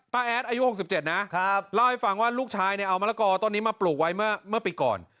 แอดอายุ๖๗นะเล่าให้ฟังว่าลูกชายเนี่ยเอามะละกอต้นนี้มาปลูกไว้เมื่อปีก่อน